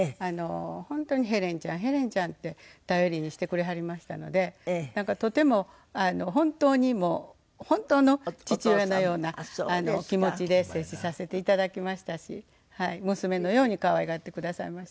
本当に「ヘレンちゃん」「ヘレンちゃん」って頼りにしてくれはりましたのでなんかとても本当にもう本当の父親のような気持ちで接しさせていただきましたし娘のように可愛がってくださいました。